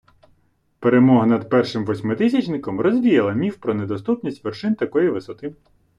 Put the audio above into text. Перемога над першим восьмитисячником розвіяла міф про недоступність вершин такої висоти.